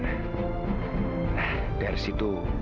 nah dari situ